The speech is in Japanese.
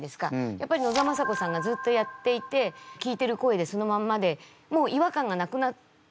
やっぱり野沢雅子さんがずっとやっていて聞いてる声でそのまんまでもう違和感がなくなっていますよね。